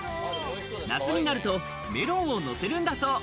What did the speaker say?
夏になるとメロンをのせるんだそう。